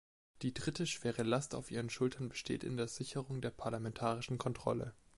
Die dritte schwere Last auf Ihren Schultern besteht in der Sicherung der parlamentarischen Kontrolle.